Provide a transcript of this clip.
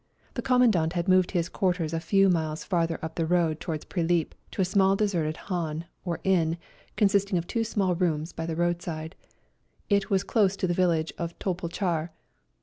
The Commandant had moved his quarters a few miles farther up the road towards Prilip to a small deserted hahn, or inn, consisting of two small rooms by the roadside. It was close to the village of Topolchar.